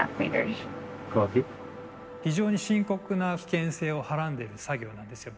非常に深刻な危険性をはらんでいる作業なんですよ。